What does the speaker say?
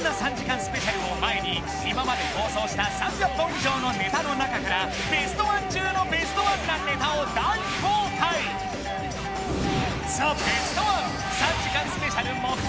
スペシャルを前に今まで放送した３００本以上のネタの中からベストワン中のベストワンなネタを大公開３時間スペシャル目前